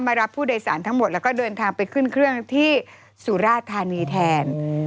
รับผู้โดยสารทั้งหมดแล้วก็เดินทางไปขึ้นเครื่องที่สุราธานีแทน